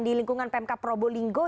di lingkungan pmk probolinggo